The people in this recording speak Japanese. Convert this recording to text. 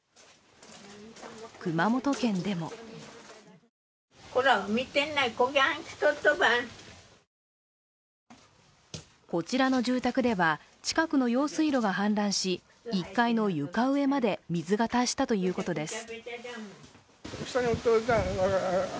熊本県でもこちらの住宅では近くの用水路が氾濫し、１階の床上まで水が達したということです。